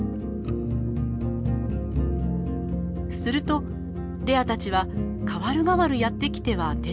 するとレアたちは代わる代わるやって来ては出ていきます。